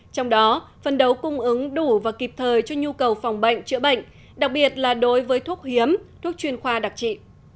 trong đó phân đấu cung ứng đủ và kịp thời cho nhu cầu phòng bệnh chữa bệnh đặc biệt là đối với thuốc hiếm thuốc chuyên khoa đặc trị